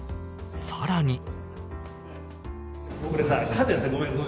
さらに。